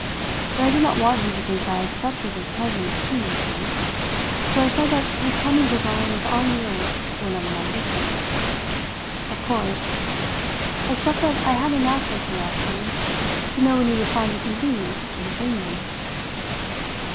But I did not want him to think that I accepted his presence too meekly, so I said that his comings or goings on the earth were none of my business, of course, except that I had a natural curiosity to know when he would find it convenient to resume them.